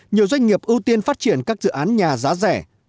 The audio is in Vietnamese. nhiều doanh nghiệp ưu tiên phát triển các dự án nhà giá rẻ